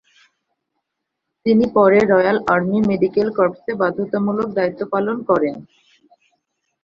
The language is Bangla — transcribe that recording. তিনি পরে রয়্যাল আর্মি মেডিক্যাল কর্পসে বাধ্যতামূলক দায়িত্ব পালন করেন।